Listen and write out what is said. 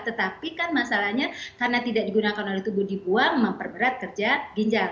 tetapi kan masalahnya karena tidak digunakan oleh tubuh dibuang memperberat kerja ginjal